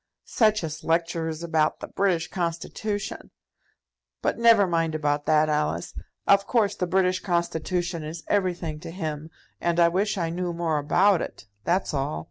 "Such as lectures about the British Constitution! But never mind about that, Alice. Of course the British Constitution is everything to him, and I wish I knew more about it; that's all.